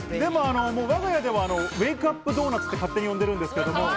我が家では、ウェイクアップドーナツと呼んでいるんですけれど。